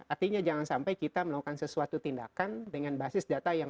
artinya jangan sampai kita melakukan sesuatu tindakan dengan basis data yang